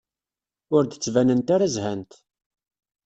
Ur d-ttbanent ara zhant.